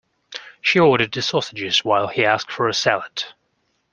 She ordered the sausages while he asked for a salad.